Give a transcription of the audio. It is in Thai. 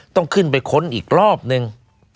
ต้องขึ้นไปค้นอีกรอบนึง